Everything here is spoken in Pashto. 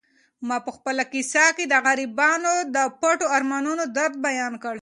ما په خپله کیسه کې د غریبانو د پټو ارمانونو درد بیان کړ.